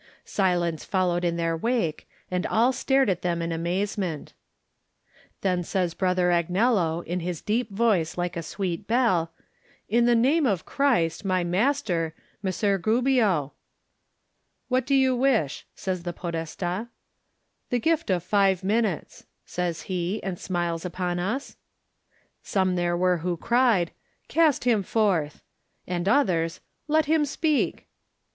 Silence followed in their wake, and all stared at them in amazement. 56 Digitized by Google THE NINTH MAN Then says Brother Agnello in his deep voice like a sweet bell, "In the name of Christ, my Master — ^Messer Gubbio." "What do you wish?" says the Podesti. "The gift of five minutes," says he, and smiles upon us. Some there were who cried, "Cast him forth!" And others, "Let him speak."